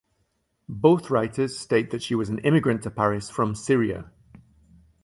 Both writers state that she was an immigrant to Paris from Syria.